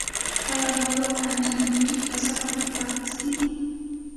ایا ناروغ انټي بیوټیک په سمه توګه اخیستی دی.